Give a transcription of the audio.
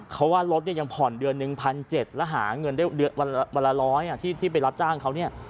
เขาว่ารถยังผ่อนเดือน๑๗๐๐บาทและหาเงินเวลาร้อยที่ไปรับจ้างเขา